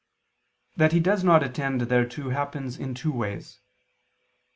That he does not attend thereto happens in two ways.